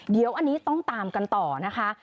เดี๋ยวอันนี้ต้องตามกันต่อนะคะ